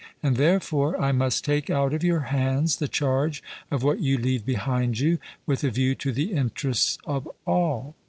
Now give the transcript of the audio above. And therefore I must take out of your hands the charge of what you leave behind you, with a view to the interests of all.